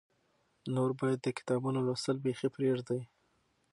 نور باید د کتابونو لوستل بیخي پرېږدې.